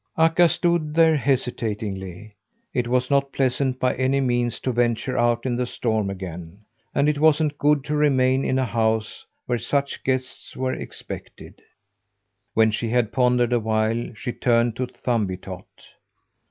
Akka stood there hesitatingly. It was not pleasant, by any means, to venture out in the storm again, and it wasn't good to remain in a house where such guests were expected. When she had pondered a while, she turned to Thumbietot.